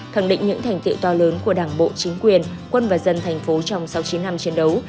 khẳng định những thành tiệu to lớn của đảng bộ chính quyền quân và dân thành phố trong sau chín năm chiến đấu